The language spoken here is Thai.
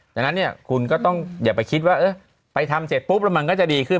ดังนั้นเนี่ยคุณก็ต้องอย่าไปคิดว่าไปทำเสร็จปุ๊บแล้วมันก็จะดีขึ้น